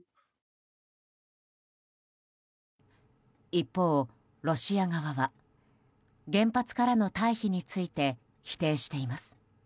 一方ロシア側は、原発からの退避について否定しています。